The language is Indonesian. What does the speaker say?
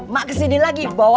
mak kesini lagi bawainnya